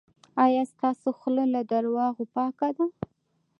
ایا ستاسو خوله له درواغو پاکه ده؟